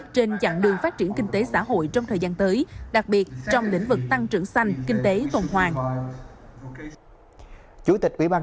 trên chặng đường phát triển kinh tế xã hội trong thời gian tới đặc biệt trong lĩnh vực tăng trưởng xanh kinh tế tuần hoàng